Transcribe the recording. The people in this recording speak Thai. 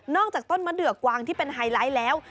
จากต้นมะเดือกวางที่เป็นไฮไลท์แล้ว